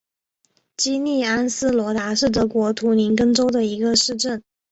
基利安斯罗达是德国图林根州的一个市镇。